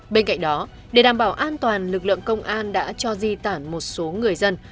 bên cạnh đó để đảm bảo an toàn lực lượng công an đã cho di tản một số người dân